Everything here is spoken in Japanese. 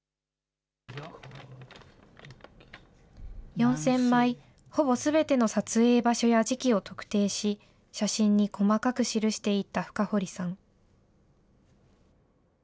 ４０００枚、ほぼすべての撮影場所や時期を特定し、写真に細かく記していった深堀さん。